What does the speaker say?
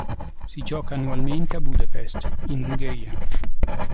Si gioca annualmente a Budapest in Ungheria.